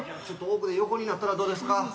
ちょっと奥で横になったらどうですか？